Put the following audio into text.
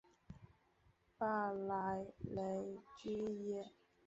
巴尔莱雷居利耶。